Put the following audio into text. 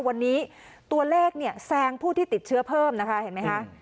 วันนี้ตัวเลขเนี่ยแซงผู้ที่ติดเชื้อเพิ่มนะคะเห็นไหมคะ